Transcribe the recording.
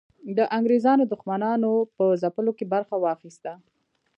د انګریزانو دښمنانو په ځپلو کې برخه واخیسته.